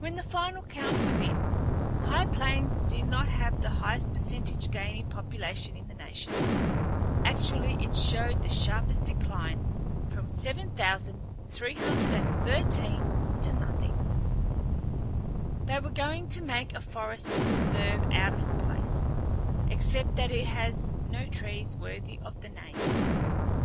When the final count was in, High Plains did not have the highest percentage gain in population in the nation. Actually it showed the sharpest decline, from 7313 to nothing. They were going to make a forest preserve out of the place, except that it has no trees worthy of the name.